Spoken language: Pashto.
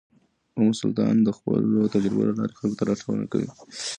ام سلطان د خپلو تجربو له لارې خلکو ته لارښوونه کوي.